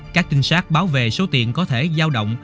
các trinh sát báo về số tiền có thể giao động